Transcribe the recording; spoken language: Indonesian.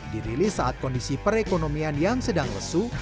dirilis saat kondisi perekonomian yang sedang lesu